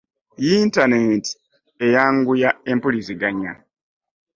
Yintaneti e yanguya empuliziganya.